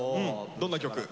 どんな曲？